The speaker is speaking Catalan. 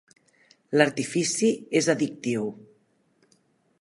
L'artifici és addictiu.